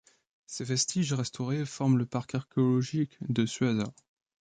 Ces vestiges restaurés forment le Parc archéologique de Suasa.